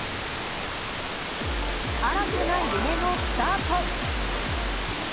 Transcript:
新たな夢のスタート。